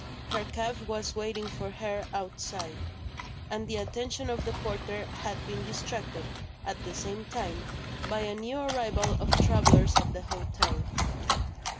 Her cab was waiting for her outside; and the attention of the porter had been distracted, at the same time, by a new arrival of travellers at the hotel.